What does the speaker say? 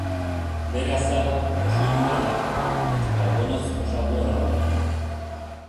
Bere azala, oso iluna da, eta karbonoz osatua dago.